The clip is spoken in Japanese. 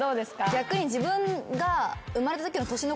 逆に自分が。